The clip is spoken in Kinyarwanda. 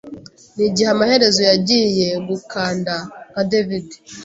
nigihe amaherezo yagiye gukanda Nka David